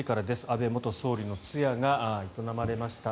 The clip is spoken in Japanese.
安倍元総理の通夜が営まれました。